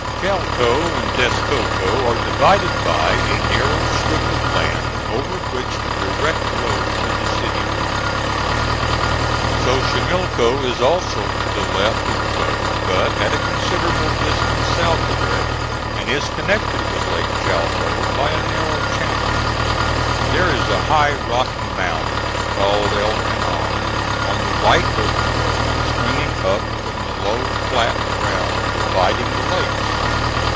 Chalco and Texcoco are divided by a narrow strip of land over which the direct road to the city runs. Xochimilco is also to the left of the road, but at a considerable distance south of it, and is connected with Lake Chalco by a narrow channel. There is a high rocky mound, called El Penon, on the right of the road, springing up from the low flat ground dividing the lakes.